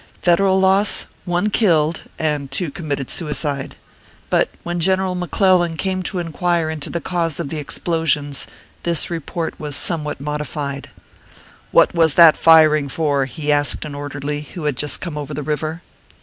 Federal loss one killed, and two committed suicide. But when General McClellan came to inquire into the cause of the explosions, this report was somewhat modified :" What was that firing for ?" he asked an orderly, who had just come over the river.